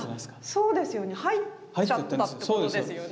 そうですよね入っちゃったってことですよね。